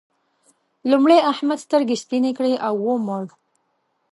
لومړی احمد سترګې سپينې کړې او ومړ.